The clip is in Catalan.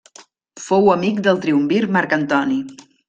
Fou amic del triumvir Marc Antoni.